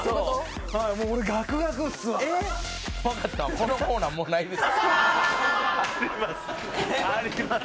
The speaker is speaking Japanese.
わかったわこのコーナーもうないです。